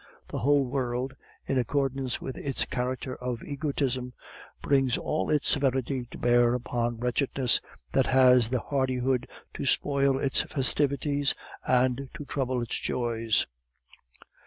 The whole world, in accordance with its character of egotism, brings all its severity to bear upon wretchedness that has the hardihood to spoil its festivities, and to trouble its joys.